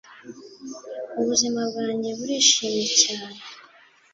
Ubuzima bwanjye burishimye cyane